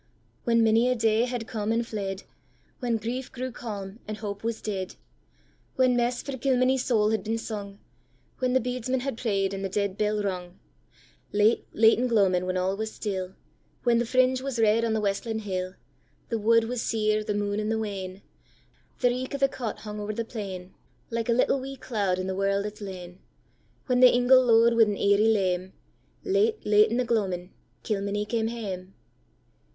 When many a day had come and fled, When grief grew calm, and hope was dead, When mess for Kilmeny's soul had been sung, When the bedesman had pray'd and the dead bell rung, Late, late in gloamin' when all was still, When the fringe was red on the westlin hill, The wood was sere, the moon i' the wane, The reek o' the cot hung over the plain, Like a little wee cloud in the world its lane; When the ingle low'd wi' an eiry leme, Late, late in the gloamin' Kilmeny came hame!